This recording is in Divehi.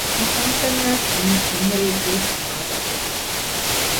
މި ފަހަކައް އައިސް މީ ކޮއްމެ ރެއެއްގެވެސް އާދައަކައްވެއްޖެ